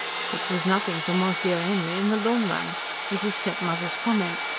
"It was nothing for Mossieu Henry in the long run," was his stepmother's comment.